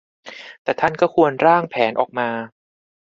แต่ท่านก็ควรร่างแผนออกมา